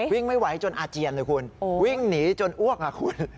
วิ่งไม่ไหวจนอาเจียนเลยคุณวิ่งหนีจนอ้วกอ่ะคุณ